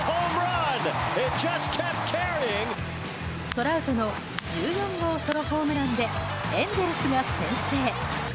トラウトの１４号ソロホームランでエンゼルスが先制。